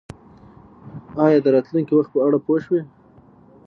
ایا د راتلونکي وخت په اړه پوه شوئ؟